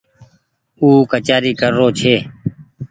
او ڪچآري ڪر رو ڇي۔